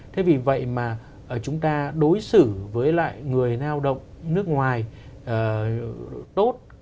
thế vì vậy mà chúng ta đối xử với lại người lao động nước ngoài tốt